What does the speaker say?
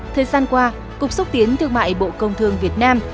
thời gian qua cục xúc tiến thương mại bộ công thương việt nam